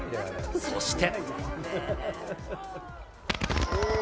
そして。